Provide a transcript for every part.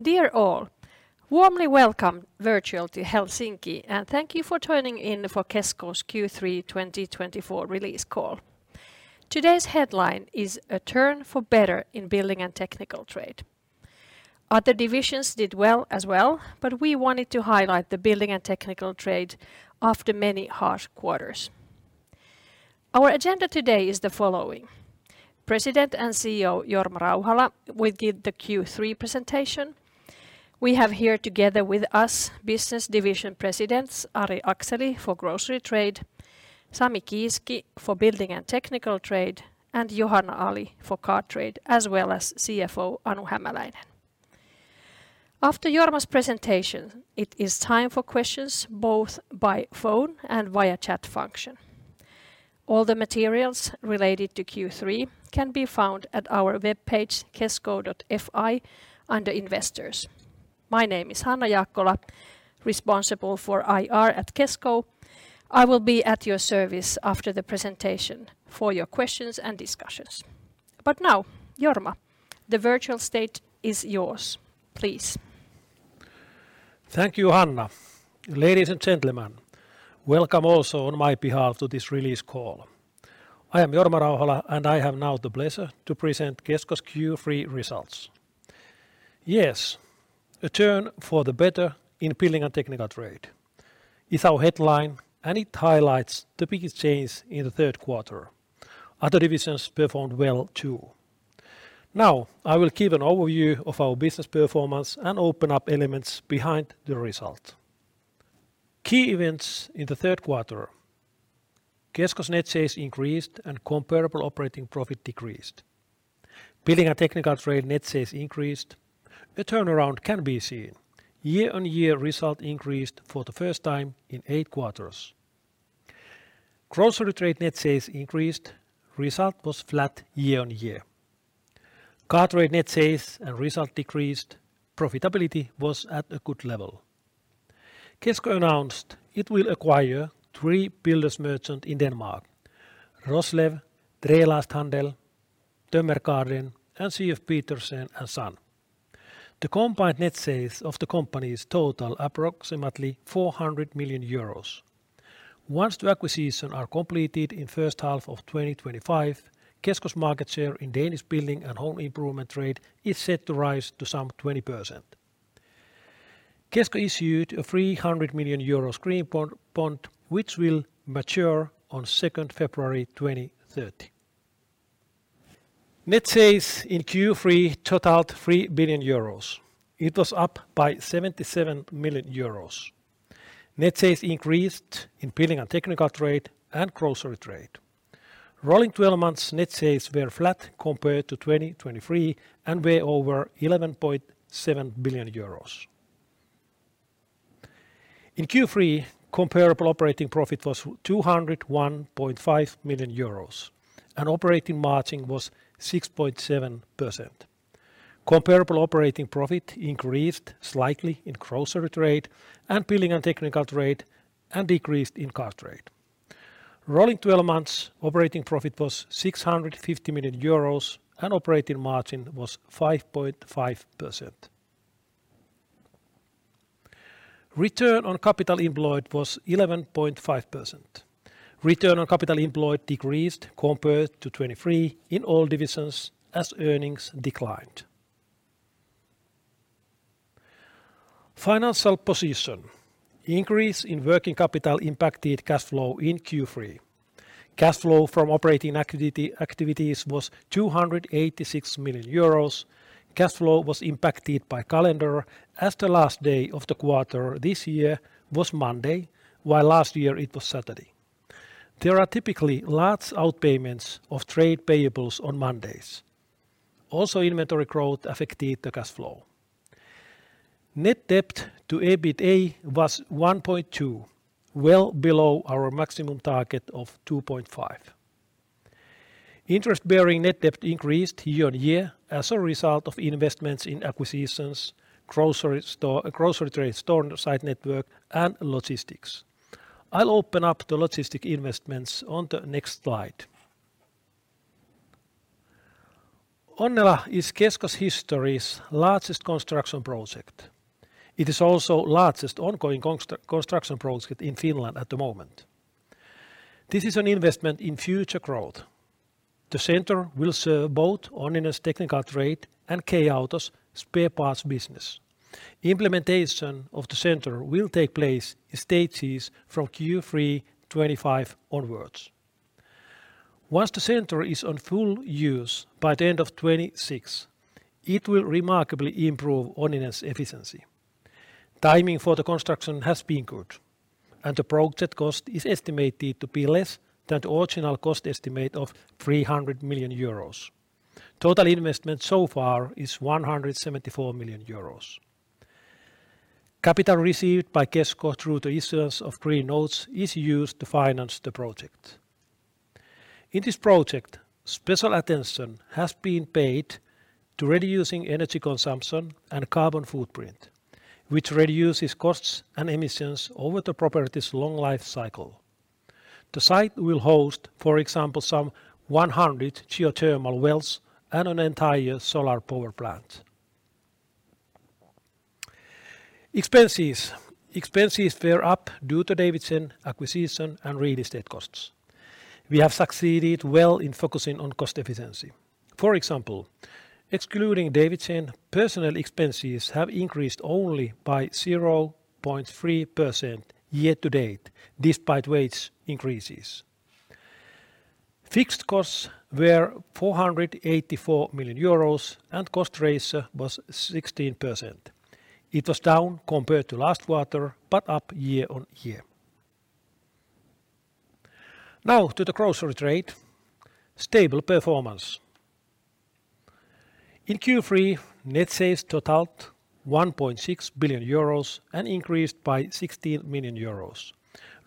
Dear all, warmly welcome you virtually to Helsinki and thank you for tuning in for Kesko's Q3 2024 release call. Today's headline is A Turn for the Better in Building and Technical Trade. Other divisions did well as well but we wanted to highlight the building and technical trade after many harsh quarters. Our agenda today is our President and CEO Jorma Rauhala will give the Q3 presentation. We have here together with our business division presidents Ari Akseli for grocery trade, Sami Kiiski for building and technical trade and Johanna Ali for car trade as well as CFO Anu Hämäläinen. After Jorma's presentation it is time for questions both by phone and via chat function. All the materials related to Q3 can be found at our webpage Kesko.fi under Investors. My name is Hanna Jaakkola, responsible for IR at Kesko. I will be at your service after the presentation for your questions and discussions, but now Jorma, the virtual stage is yours. Please. Thank you Hanna. Ladies and gentlemen, welcome also on my behalf to this release call. I am Jorma Rauhala and I have now the pleasure to present Kesko's Q3 results. Yes, a Turn for the Better in Building and Technical Trade is our headline and it highlights the biggest change in the third quarter. Other divisions performed well too. Now I will give an overview of our business performance and open up elements behind the result. Key events in the third quarter, Kesko's net sales increased and comparable operating profit decreased. Building and technical trade. Net sales increased. A turnaround can be seen year-on-year. Result increased for the first time in eight quarters. Grocery trade. Net sales increased. Result was flat year-on-year. Car trade. Net sales and result decreased. Profitability was at a good level. Kesko announced it will acquire three builders' merchants in Denmark: Roslev Trælasthandel, Davidsen Koncernen, and C.F. Petersen & Søn. The combined net sales of the companies total approximately 400 million euros. Once the acquisitions are completed in first half of 2025, Kesko's market share in Danish building and home improvement trade is set to rise to some 20%. Kesko issued a 300 million euro green bond which will mature on 2 February 2030. Net sales in Q3 totaled 3 billion euros. It was up by 77 million euros. Net sales increased in building and technical trade and grocery trade rolling 12 months. Net sales were flat compared to 2023 and totaled 11.7 billion euros. Comparable operating profit was 201.5 million euros and operating margin was 6.7%. Comparable operating profit increased slightly in grocery trade and building and technical trade and decreased in car trade. Rolling 12 months operating profit was 650 million euros and operating margin was 5.5%. Return on capital employed was 11.5%. Return on capital employed decreased compared to 2023 in all divisions as earnings declined. Financial position increase in working capital impacted cash flow in Q3. Cash flow from operating activities was 286 million euros. Cash flow was impacted by calendar as the last day of the quarter this year was Monday, while last year it was Saturday. There are typically large outpayments of trade payables on Mondays. Also, inventory growth affected the cash flow. Net debt to EBITDA was 1.2, well below our maximum target of 2.5. Interest bearing net debt increased year-on-year as a result of investments in acquisitions, grocery trade, store site network and logistics. I'll open up the logistics investments on the next slide. Onnela is Kesko's history's largest construction project. It is also the largest ongoing construction project in Finland at the moment. This is an investment in future growth. The center will serve both Onninen's technical trade and K-Auto's spare parts business. Implementation of the center will take place in stages from Q3 2025 onwards. Once the center is on full use by the end of 2026, it will remarkably improve operating efficiency. Timing for the construction has been good and the project cost is estimated to be less than the original cost estimate of EUR 300 million. Total investment so far is EUR 174 million. Capital received by Kesko through the issuance of green bonds is used to finance the project. In this project, special attention has been paid to reducing energy consumption and carbon footprint which reduces costs and emissions over the property's long life cycle. The site will host, for example, some 100 geothermal wells and an entire solar power plant. Expenses fared up due to Davidsen acquisition and real estate costs. We have succeeded well in focusing on cost efficiency. For example, excluding Davidsen, personnel expenses have increased only by 0.3% year to date despite wage increases. Fixed costs were 484 million euros and cost ratio was 16%. It was down compared to last quarter, but up year-on-year. Now to the grocery. Stable performance in Q3. Net sales totaled 1.6 billion euros and increased by 16 million euros.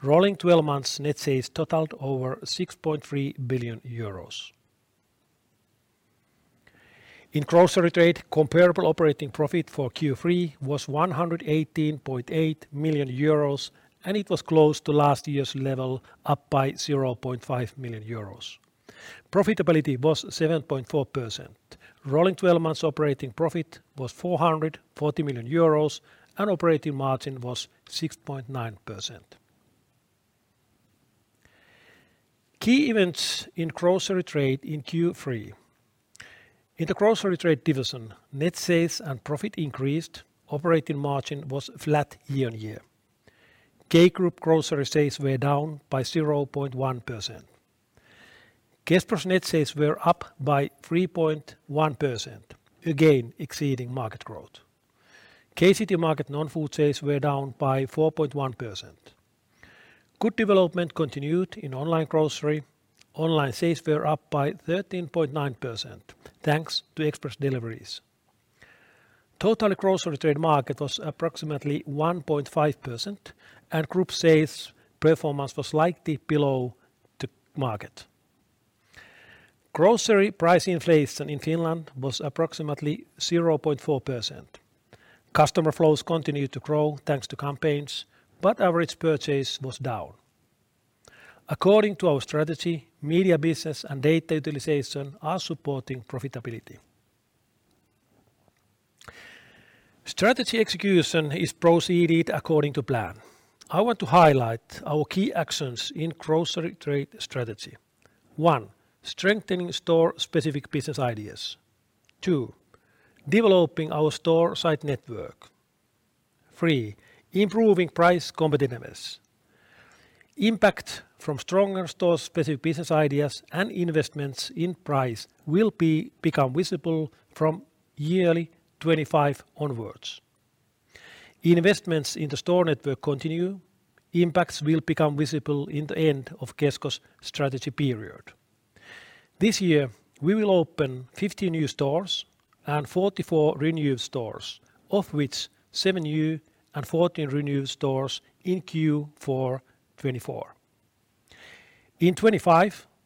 Rolling 12 months, net sales totaled over 6.3 billion euros in grocery trade. Comparable operating profit for Q3 was 118.8 million euros and it was close to last year's level, up by 0.5 million euros. Profitability was 7.4%. Rolling 12 months operating profit was 440 million euros and operating margin was 6.9%. Key events in grocery trade in Q3. In the grocery trade division, net sales and profit increased. Operating margin was flat. Year-on-year, K Group grocery sales were down by 0.1%. Kespro's net sales were up by 3.1%, again exceeding market growth. K-Citymarket non-food sales were down by 4.1%. Good development continued in online grocery. Online sales were up by 13.9% thanks to express deliveries. Total grocery trade market was approximately 1.5% and group sales performance was likely below the market. Grocery price inflation in Finland was approximately 0.4%. Customer flows continued to grow thanks to campaigns but average purchase was down according to our strategy. Media business and data utilization are supporting profitability. Strategy execution is proceeded according to plan. I want to highlight our key actions in grocery trade. 1. Strengthening store specific business ideas. 2. Developing our store site network. 3. Improving price competitiveness. Impact from stronger store specific business ideas and investments in price will become visible from year 25 onwards. Investments in the store network continue. Impacts will become visible in the end of Kesko's strategy period. This year we will open 50 new stores and 44 renewed stores of which seven new and 14 renewed stores in Q4 2024. In 2025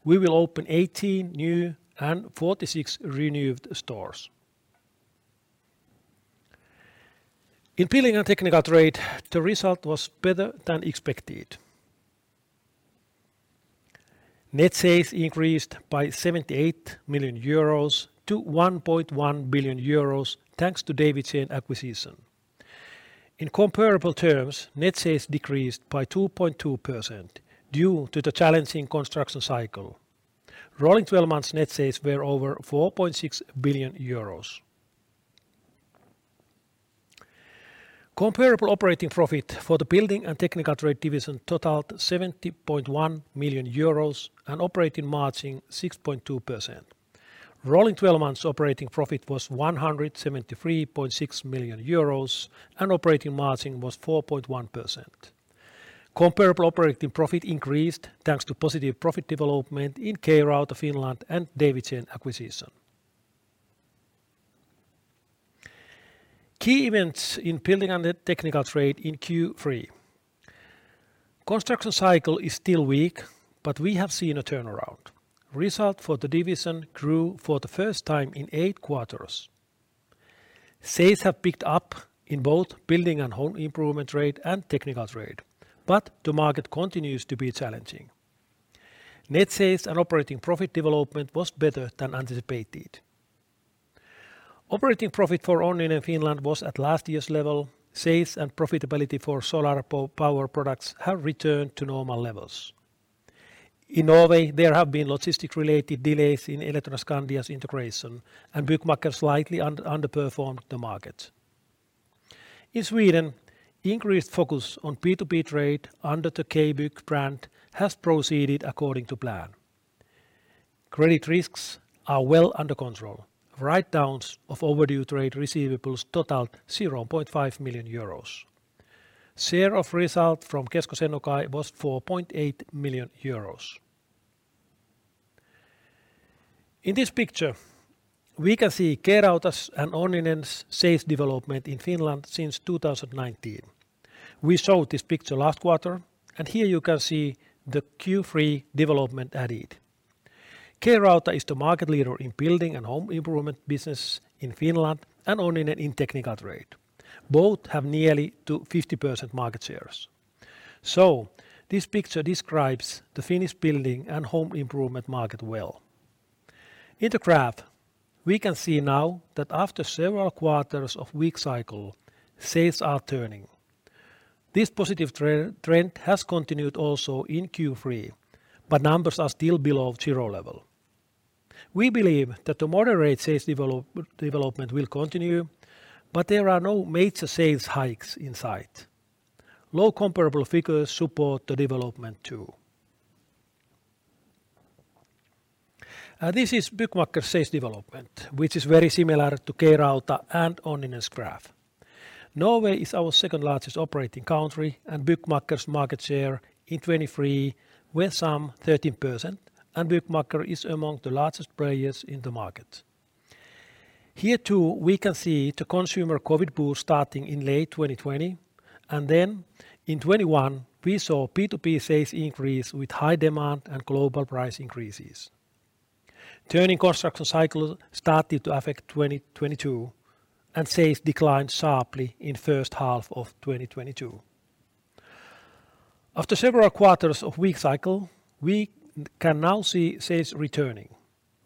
we will open 18 new and 46 renewed stores. In building and technical trade the result was better than expected. Net sales increased by 78 million euros to 1.1 billion euros thanks to Davidsen acquisition. In comparable terms, net sales decreased by 2.2% due to the challenging construction cycle. Rolling 12 months, net sales were over 4.6 billion euros. Comparable operating profit for the building and technical trade division totaled EUR 70.1 million and operating margin 6.2%. Rolling 12 months operating profit was 173.6 million euros and operating margin was 4.1%. Comparable operating profit increased thanks to positive profit development in K-Rauta Finland and Davidsen acquisition. Key events in building and technical trade in Q3 construction cycle is still weak but we have seen a turnaround. Result for the division grew for the first time in eight quarters. Sales have picked up in both building and home improvement trade and technical trade but the market continues to be challenging. Net sales and operating profit development was better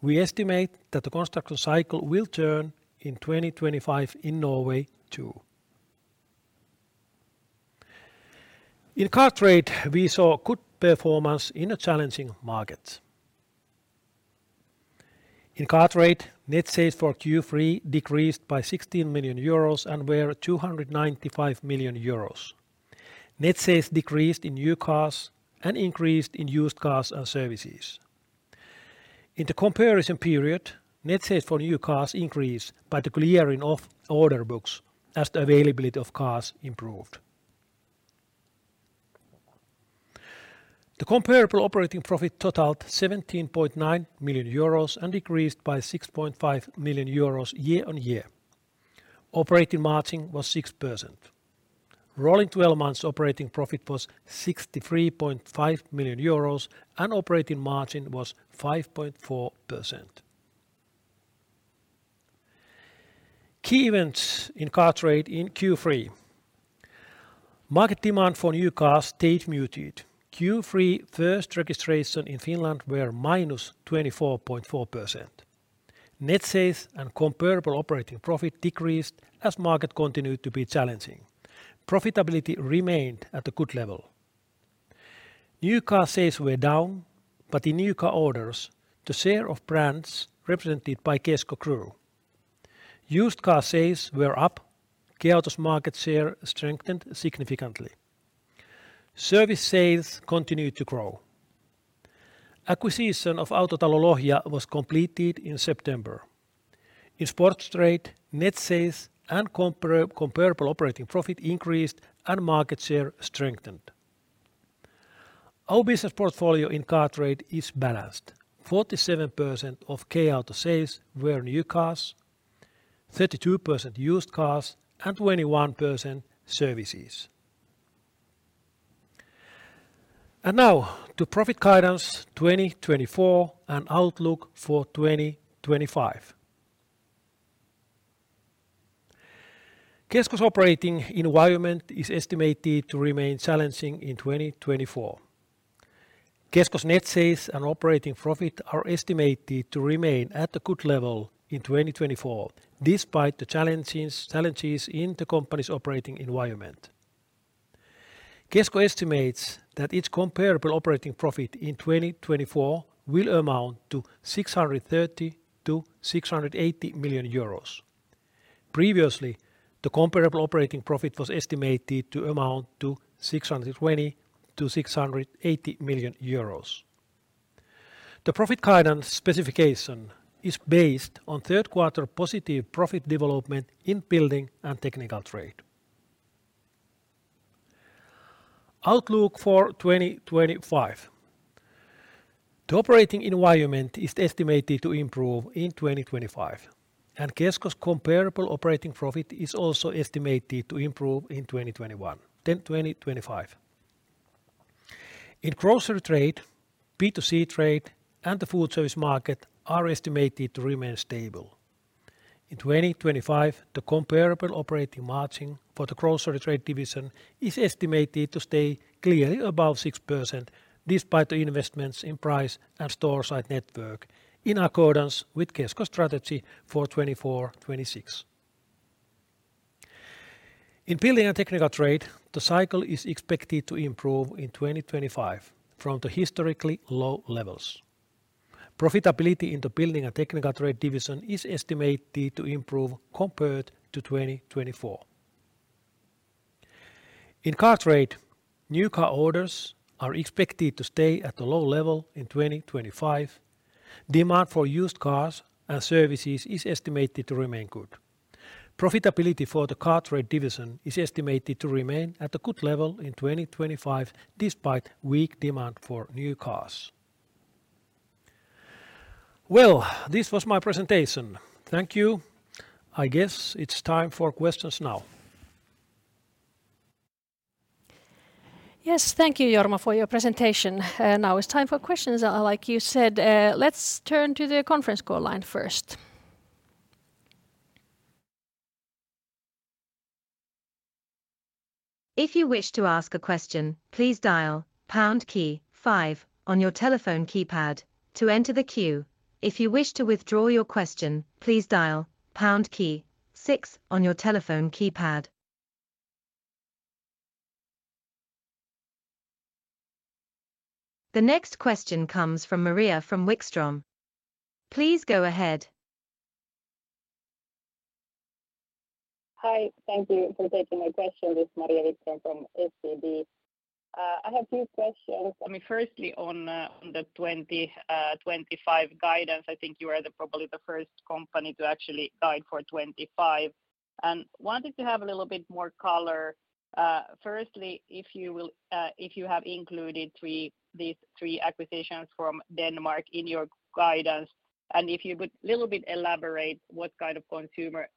returning. We estimate that the construction cycle will turn in 2025 in Norway too. In car trade we saw good performance in a challenging market. In car trade, net sales for Q3 decreased by 16 million euros and were 295 million euros. Net sales decreased in new cars and increased in used cars and services. In the comparison period, net sales for new cars increased by the clearing of order books as the availability of cars improved. The comparable operating profit totaled 17.9 million euros and decreased by 6.5 million euros. Year-on-year operating margin was 6% rolling 12 months. Operating profit was 63.5 million euros and operating margin was 5.4%. Key Events in Car Trade in Q3. Market demand for new cars stayed muted. Q3 first registrations in Finland were -24.4%. Net sales and comparable operating profit decreased as market continued to be challenging. Profitability remained at a good level. New car sales were down but in new car orders the share of brands represented by K-Auto used car sales were up. K-Auto's market share strengthened significantly. Service sales continued to grow. Acquisition of Autotalo Lohja was completed in September. In sports trade, net sales and comparable operating profit increased and market share strengthened. Our business portfolio in car trade is balanced. 47% of K-Auto sales were new cars, 32% used cars and 21% services. Now to profit guidance 2024 and outlook for 2025. Kesko's operating environment is estimated to remain challenging in 2024. Kesko's net sales and operating profit are estimated to remain at a good level in 2024 despite the challenges in the company's operating environment. Kesko estimates that its comparable operating profit in 2024 will be will amount to 630 million-680 million euros. Previously, the comparable operating profit was estimated to amount to 620 million-680 million euros. The profit guidance specification is based on third quarter positive profit development in building and technical trade. Outlook for 2025, the operating environment is estimated to improve in 2025 and Kesko's comparable operating profit is also estimated to improve in 2025. In grocery trade, B2C trade and the food service market are If you wish to ask a question, please dial your telephone keypad to enter the queue. If you wish to withdraw your question, please dial six on your telephone keypad. The next question comes from Maria Wikström. Please go ahead. Hi, thank you for taking my question. This is Maria Wikström from SEB. I have two questions. I mean, firstly, on the 2025 guidance. I think you are probably the first company to actually guide for 25 and wanted to have a little bit more color. Firstly, if you have included these three acquisitions from Denmark in your guidance and if you would a little bit elaborate what kind of consumer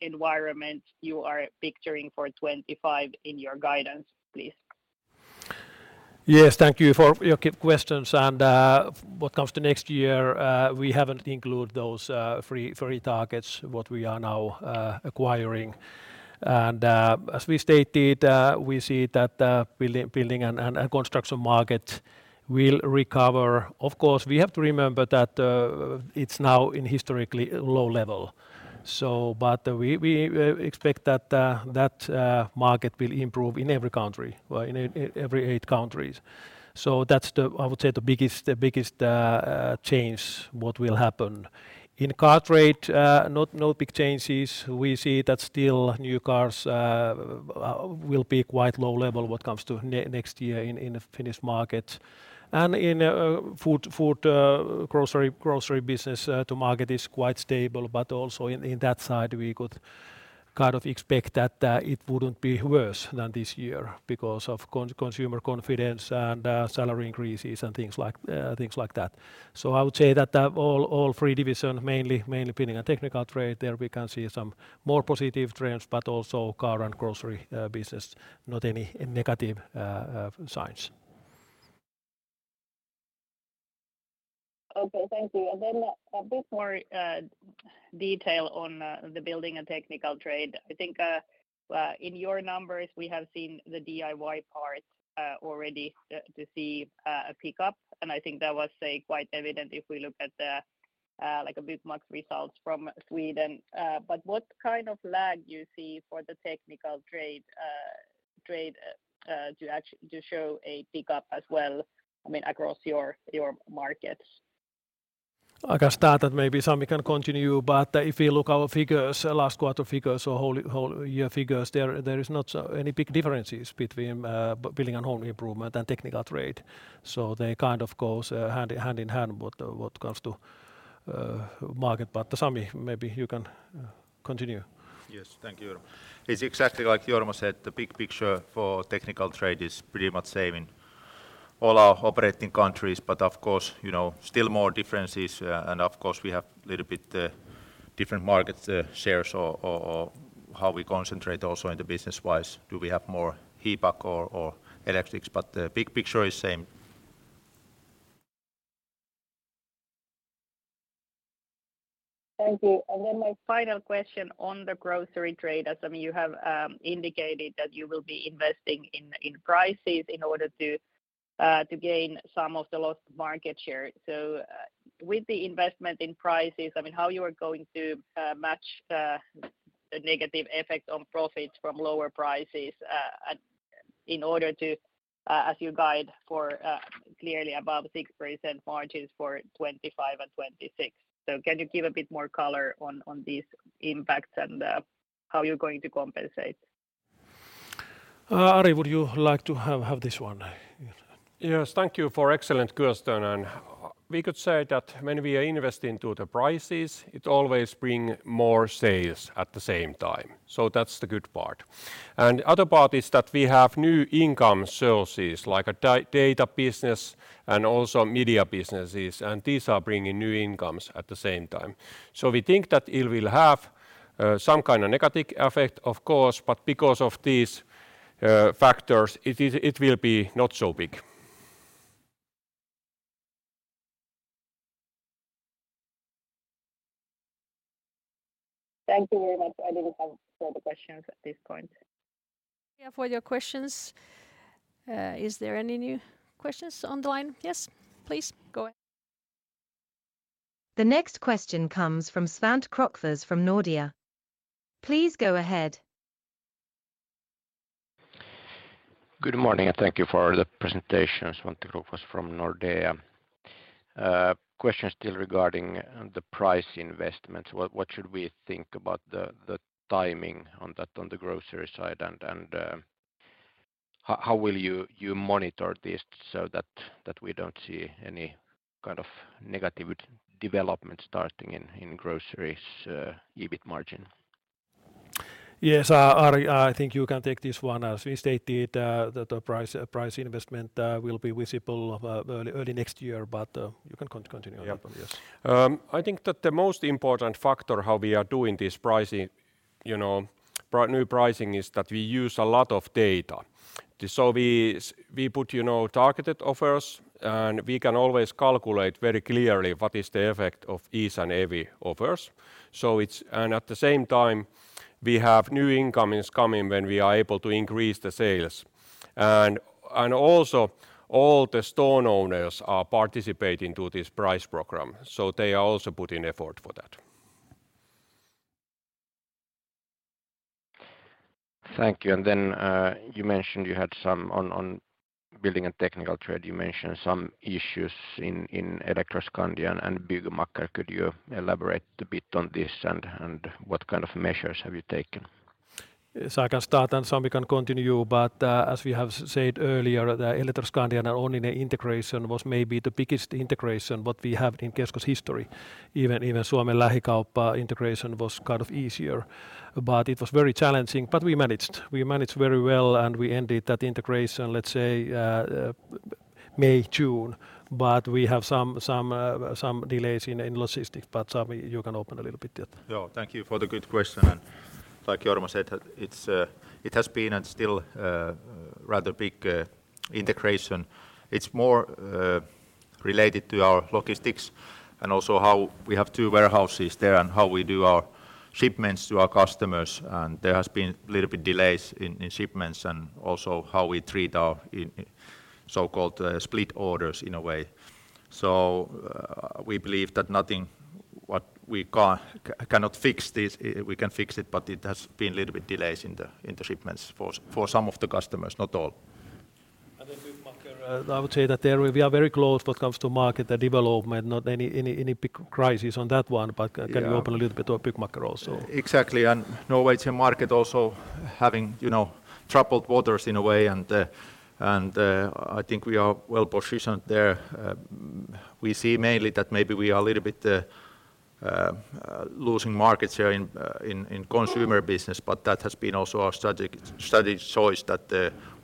environment you are picturing for 25 in your guidance, please. Yes, thank you for your questions. And what comes to next year we haven't included those three targets what we are now acquiring. And as we stated, we see that building and construction market will recover. Of course we have to remember that it's now in historically low level. But we expect that that market will improve in every country, in every eight countries. So that's I would say the biggest change. What will happen in car trade? Not big changes. We see that still new cars will be quite low level. What comes to next year in the Finnish market and in food grocery business to market is quite stable. But also in that side we could kind of expect that it wouldn't be worse than this year because of consumer confidence and salary increases and things like that. So I would say that all three divisions mainly in the technical trade there we can see some more positive trends, but also car and grocery businesses, not any negative signs. Okay, thank you. And then a bit more detail on the building and technical trade. I think in your numbers we have seen the DIY part already to see a pickup. And I think that was quite evident if we look at, like, the Byggmakker results from Sweden. But what kind of lag you see for the technical trade to actually show a pickup as well? I mean across your markets I can. Start, and maybe some can continue. But if you look our figures, last quarter figures or whole year figures, there is not any big differences between building and home improvement and technical trade. So they kind of go hand in hand what comes to market. But Sami, maybe you can continue. Yes, thank you. It's exactly like Jorma said. The big picture for technical trade is pretty much same in all our operating countries. But of course, you know, still more differences. And of course we have a little bit different market shares or how we concentrate also in the business-wise do we have more HEPAC or electrics. But the big picture is the same. Thank you. And then my final question on the grocery trade as I mean you have indicated that you will be investing in prices in order to gain some of the lost market share. So with the investment in prices, I mean how you are going to match the negative effect on profits from lower prices in order to as you guide for clearly above 6% margins for 2025 and 2026. So can you give a bit more color on these impacts and how you're going to compensate. Ari, would you like to have this one? Yes, thank you for excellent question, and we could say that when we invest into the prices it always bring more sales at the same time, so that's the good part and other part is that we have new income sources like a data business and also media businesses and these are bringing new incomes at the same time, so we think that it will have some kind of negative effect of course, but because of these factors it will be not so big. Thank you very much. I didn't have further questions at this point. For your questions. Is there any new questions on the line? Yes, please go ahead. The next question comes from Svante Krokfors from Nordea. Please go ahead. Good morning and thank you for the presentation. Svante Krokfors from Nordea. Question still regarding the price investments. What should we think about the timing on the grocery side and how will you monitor this so that we don't see any kind of negative development starting in groceries EBIT margin? Yes, I think you can take this one. As we stated that the price investment will be visible early next year, but you can continue. I think that the most important factor in how we are doing this new pricing is that we use a lot of data, so we put targeted offers and we can always calculate very clearly what is the effect of these and heavy offers. And at the same time we have new incomes coming when we are able to increase the sales. And also all the store owners are participating in this price program. So they are also putting effort for that. Thank you. And then you mentioned you had some on building and technical trade. You mentioned some issues in Elektroskandia and Byggmakker. Could you elaborate a bit on this? And what kind of measures have you? Okay, so I can start and then we can continue. But as we have said earlier, Elektroskandia's integration was maybe the biggest integration that we have in Kesko's history. Even Suomen Lähikauppa integration was kind of easier but it was very challenging. But we managed, we managed very well. Well, and we ended that integration, let's say May June. But we have some delays in logistics. But Sami, you can open a little bit. Yeah, thank you for the good question. Like Jorma said, it has been and still rather big integration. It's more related to our logistics and also how we have two warehouses there and how we do our shipments to our customers and there has been little bit delays in shipments and also how we treat our so-called split orders, in a way. So we believe that nothing what we cannot fix this. We can fix it, but it has been little bit delays in the shipments for some of the customers, not all. I would say that we are very close when it comes to market development. Not any big crisis on that one. But can you open a little bit to Byggmakker also? Exactly, and Norway market also having, you know, troubled waters in a way, and I think we are well positioned there. We see mainly that maybe we are a little bit losing market share in consumer business, but that has been also our strategy choice that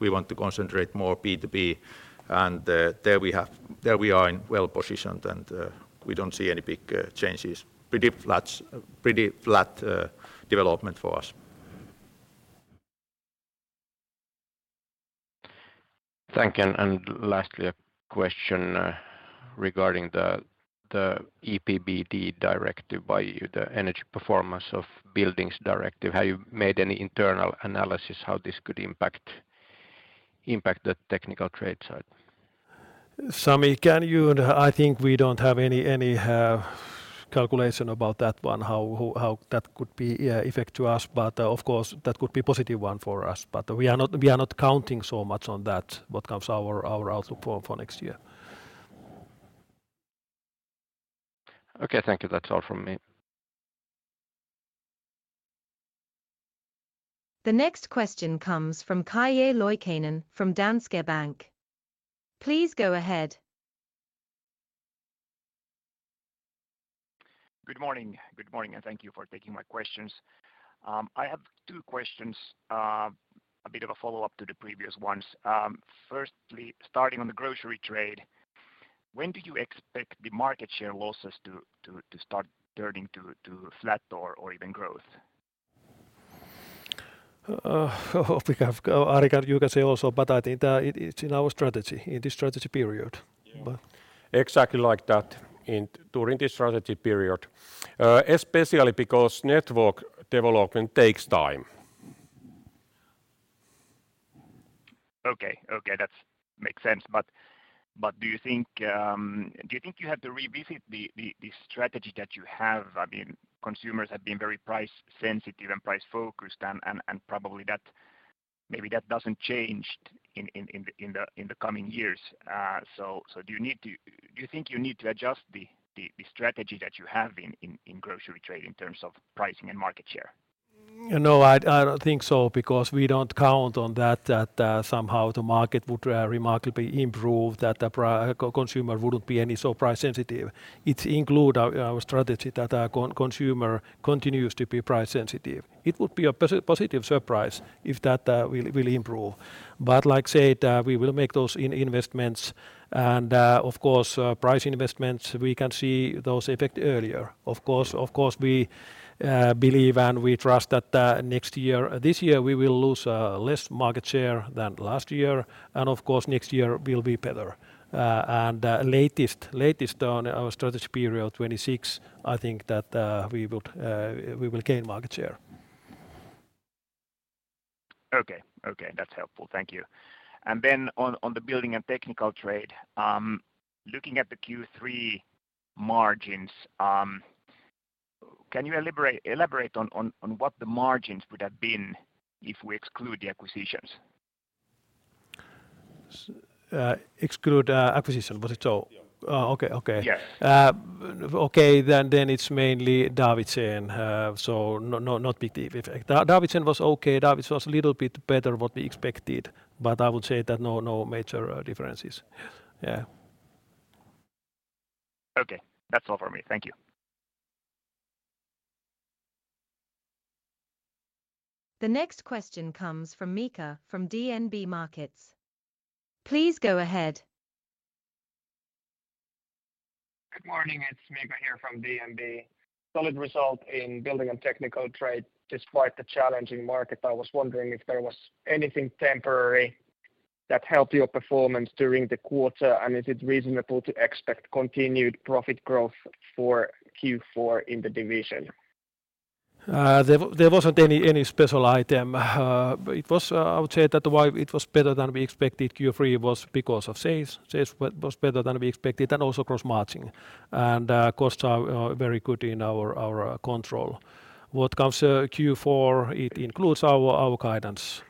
we want to concentrate more B2B and there we are well positioned and we don't see any big changes. Pretty flat development for us. Thank you. Lastly, a question regarding the EPBD, the Energy Performance of Buildings Directive. Have you made any internal analysis how this could impact the technical trade side? Sami, can you. I think we don't have any calculation about that one, how that could affect us. But of course that could be positive one for us. But we are not counting so much on that. What comes to our outlook for next year. Okay, thank you. That's all from me. The next question comes from Calle Loikkanen from Danske Bank. Please go ahead. Good morning. Good morning and thank you for taking my questions. I have two questions. A bit of a follow up to the previous ones. Firstly, starting on the grocery trade, when do you expect the market share losses to start turning to flat or even growth? You can say also. But I think it's in our strategy. In this strategy period. Exactly like that. During this strategy period. Especially because network development takes time. Okay, okay, that makes sense. But do you think you have to revisit the strategy that you have? I mean, consumers have been very price sensitive and price focused and probably that maybe doesn't change in the coming years. So do you think you need to adjust the strategy that you have in grocery trade in terms of pricing and market share? No, I don't think so. Because we don't count on that. Somehow the market would remarkably improve, that the consumer wouldn't be as price sensitive. It includes our strategy that consumer continues to be price sensitive. It would be a positive surprise if that will improve, but as said, we will make those investments and of course price investments. We can see those effects earlier. Of course, of course we believe and we trust that next year, this year we will lose less market share than last year, and of course next year will be better, and at the latest in our strategy period, 2026, I think that we will gain market share. Okay, okay, that's helpful. Thank you. And then on the building and technical trade, looking at the Q3 margins, can you elaborate on what the margins would have been if we exclude the acquisitions? Exclude acquisition, but at all? Okay. Then it's mainly Davidsen. So not big deep effect. Davidsen was okay. Davidsen was a little bit better, what we expected. But I would say that no major differences. Yeah. Okay, that's all for me, thank you. The next question comes from Miika from DNB Markets. Please go ahead. Good morning, it's Miika here from DNB. Solid result in building and technical trade despite the challenging market. I was wondering if there was anything temporary that helped your performance during the quarter, and is it reasonable to expect continued profit growth for Q4 in the division? There wasn't any special item. I would say that it was better than we expected. Q3 was, because of safety, better than we expected, and also gross margin and costs are very good in our control. What comes Q4? It includes our guidance.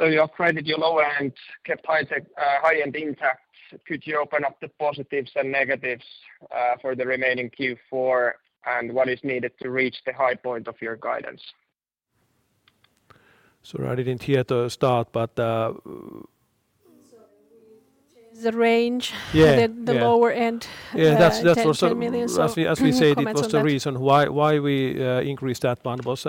So you upgraded your low end, kept high end intact. Could you open up the positives and negatives for the remaining Q4 and what is needed to reach the high point of your guidance? So, I didn't hear to start, but. The range, the lower end. Yeah, that's also, as we said, it was the reason why we increased that one was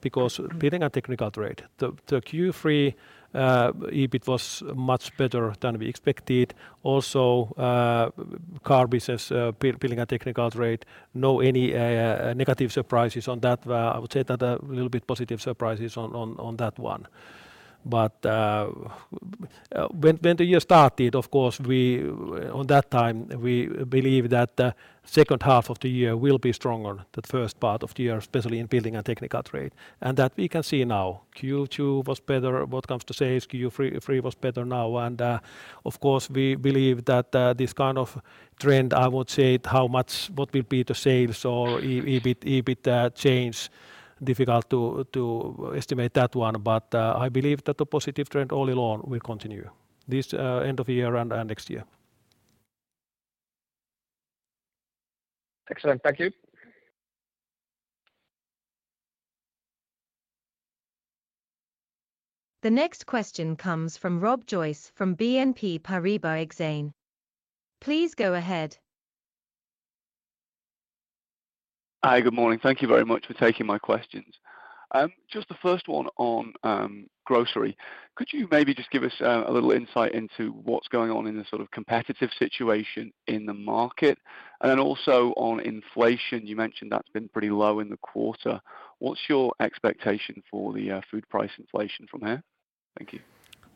because building and technical trade, the Q3 EBIT was much better than we expected. Also, car business, building and technical trade. No. Any negative surprises on that? I would say that a little bit positive surprises on that one. But. When the year started, of course, we on that time, we believe that second half of the year will be stronger the first part of the year, especially in building and technical trade, and that we can see now Q2 was better. What comes to say is Q3 was better now, and of course we believe that this kind of trend. I would say how much. What will be the sales or EBITDA change? Difficult to estimate that one, but I believe that the positive trend all along will continue this end of year and next year. Excellent, thank you. The next question comes from Rob Joyce from BNP Paribas Exane. Please go ahead. Hi, good morning. Thank you very much for taking my questions. Just the first one on grocery, could you maybe just give us a little insight into what's going on in the sort of competitive situation in the market? And also on inflation you mentioned that's been pretty low in the quarter. What's your expectation for the food price inflation from here? Thank you.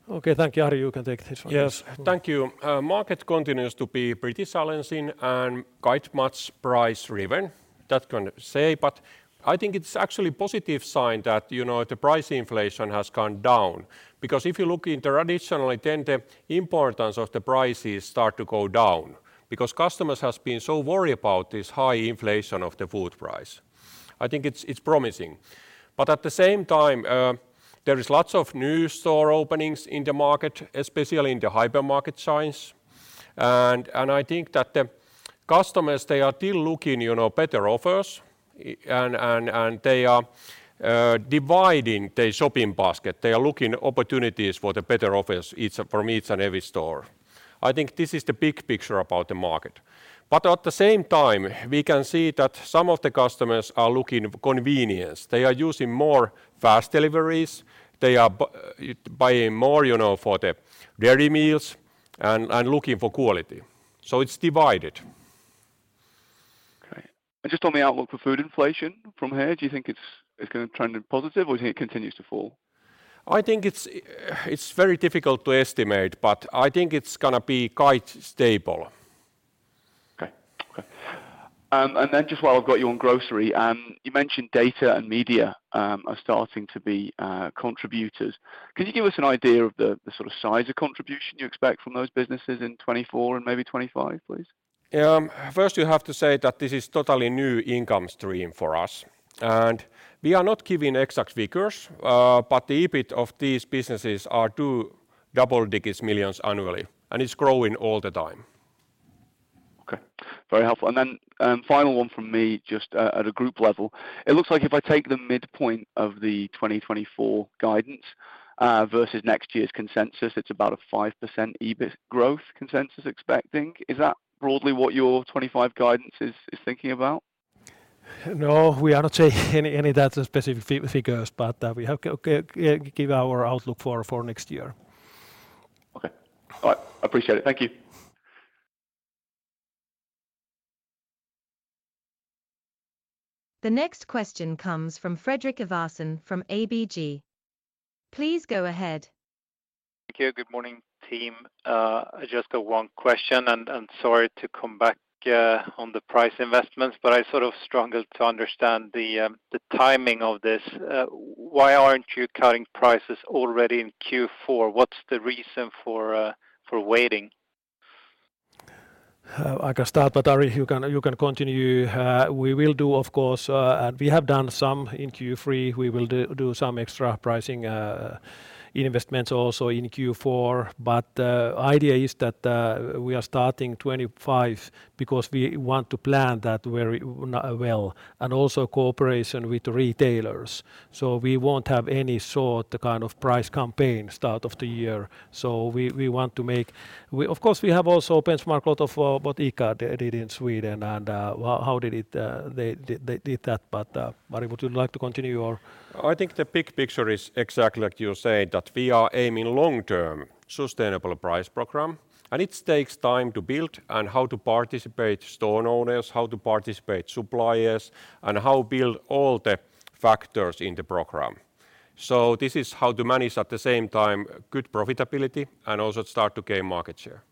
Okay, thank you, Ari, you can take this one. Yes, thank you. Market continues to be pretty challenging and quite much price driven, but I think it's actually positive sign that you know, the price inflation has gone down because if you look internationally then the importance of the prices start to go down because customers has been so worried about this high inflation of the food price. I think it's promising but at the same time there is lots of new store openings in the market, especially in the hypermarket segment, First, you have to say that this is a totally new income stream for us, and we are not giving exact figures, but the EBIT of these businesses are two double digits millions annually, and it's growing all the time. Okay, very helpful. And then final one from me, just at a group level, it looks like if I take the midpoint of the 2024 guidance versus next year's consensus, it's about a 5% EBIT growth consensus expecting. Is that broadly what your 2025 guidance is thinking about? No, we are not taking any date-specific figures, but we have given our outlook for next year. Okay, all right, I appreciate it, thank you. The next question comes from Fredrik Ivarsson from ABG. Please go ahead. Thank you. Good morning team. I just got one question and sorry to come back on the price investments but I sort of struggle to understand the timing of this. Why aren't you cutting prices already in Q4? What's the reason for waiting? I can start, but Ari, you can continue. We will do. Of course we have done some in Q3, we will do some extra pricing investments also in Q4 but idea is that we are starting 2025 because we want to plan that very well and also cooperation with retailers. So we won't have any sort of price campaign start of the year. So we want to make. Of course we have also benchmarked a lot of what ICA did in Sweden and how they did it. They did that. But Ari, would you like to continue your. I think the big picture is exactly like you said, that we are aiming long-term sustainable price program and it takes time to build and how to participate store owners, how to participate suppliers and how to build all the factors in the program. So this is how to manage at the same time good profitability and also start to gain market share.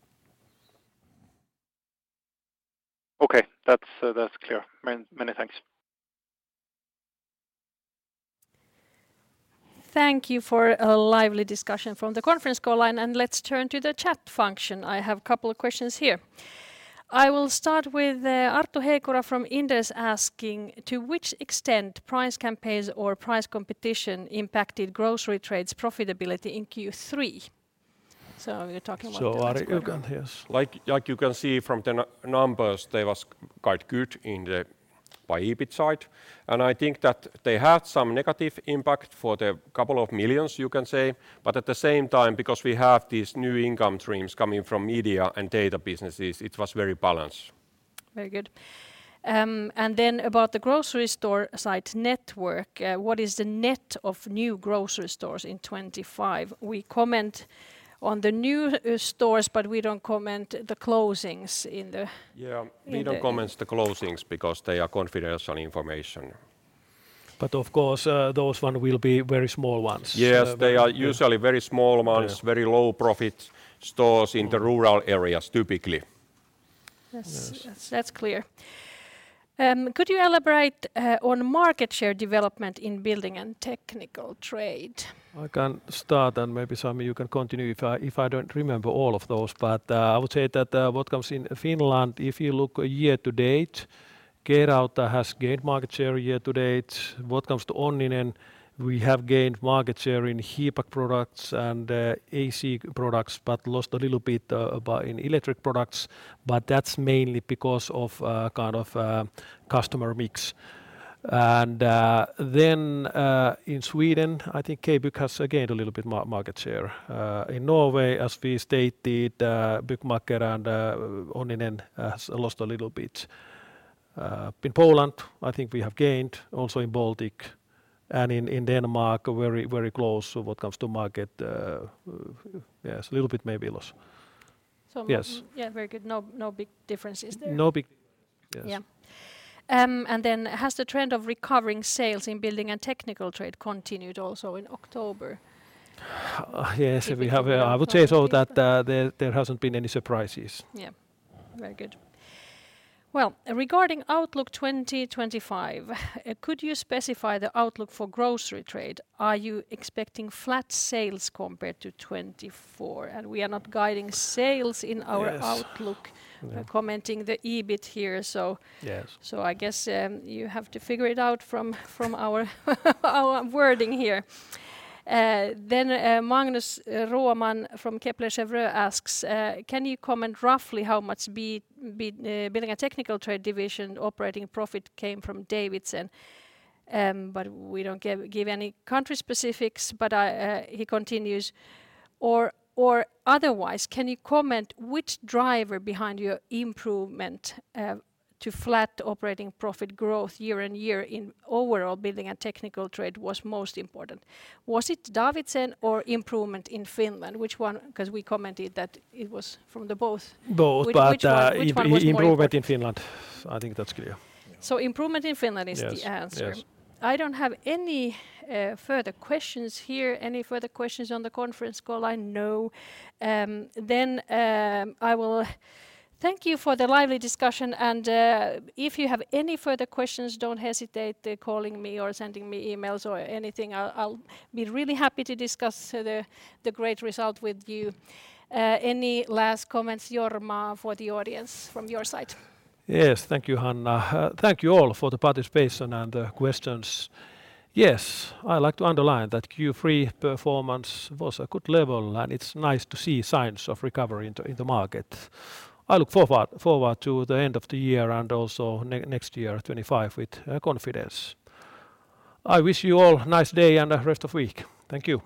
Okay, that's clear. Many thanks. Thank you for a lively discussion from the conference call line, and let's turn to the chat function. I have a couple of questions here. I will start with Arttu Heikura from Inderes asking to what extent price campaigns or price competition impacted grocery trade's profitability in Q3. So we're talking about Like you can. See from the numbers, they were quite good on the EBIT side, and I think that they had some negative impact of a couple of million euros, you can say. But at the same time, because we have these new income streams coming from media and data businesses, it was very balanced, very good. About the grocery store site network. What is the net of new grocery stores in 2025? We comment on the new stores but we don't comment the closings in the. Yeah, we don't comment the closings because they are confidential information. But of course those ones will be very small ones. Yes, they are usually very small ones. Very low profit stores in the rural areas typically. That's clear. Could you elaborate on market share development in building and technical trade? I can start and maybe Sami, you can continue if I don't remember all of those, but I would say that what comes in Finland if you look year to date K-Rauta has gained market share year to date. What comes to Onninen? We have gained market share in HEPAC products and AC products but lost a little bit in electric products. But that's mainly because of kind of customer mix. And then in Sweden I think K-Bygg has gained a little bit market share in Norway as we stated. Byggmakker and Onninen has lost a little bit in Poland. I think we have gained also in Baltics and in Denmark very very close. What comes to market? Yes, a little bit maybe loss. Yes. Yeah, very good. No big differences there. No big difference. Yeah. And then has the trend of recovering sales in building and technical trade continued? Also in October. Yes, we have. I would say so that there hasn't been any surprises. Yeah, very good. Well, regarding outlook 2025, could you specify the outlook for grocery trade? Are you expecting flat sales compared to 2024? And we are not guiding sales in our outlook commenting the EBIT here, so I guess you have to figure it out from our wording here. Then Magnus Råman from Kepler Cheuvreux asks, can you comment roughly how much building and technical trade division operating profit came from Davidsen? But we don't give any country specifics but he continues, or otherwise can you comment which driver behind your improvement to flat operating profit growth year-on-year in overall building and technical trade was most important. Was it Davidsen or improvement in Finland? Which one? Because we commented that it was from both. Both. But improvement in Finland. I think that's clear. Improvement in Finland is the answer. I don't have any further questions here. Any further questions on the conference call? No, then I will thank you for the lively discussion and if you have any further questions, don't hesitate calling me or sending me emails or anything. I'll be really happy to discuss the great result with you. Any last comments Jorma for the audience from your side? Yes, thank you Hanna. Thank you all for the participation and the questions. Yes, I like to underline that Q3 performance was a good level and it's nice to see signs of recovery in the market. I look forward to the end of the year and also next year, 2025, with confidence. I wish you all a nice day and the rest of the week. Thank you.